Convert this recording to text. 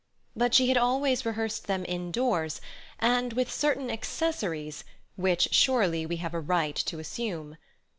But she had always rehearsed them indoors, and with certain accessories, which surely we have a right to assume.